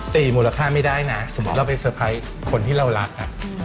ตีมูลค่าไม่ได้นะสมมติเราไปสะพายคนที่เรารักอะ